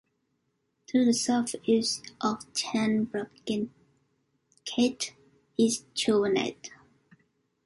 To the southeast of Ten Bruggencate is Chauvenet.